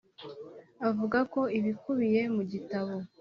avuga ko ibikubiye mu gitabo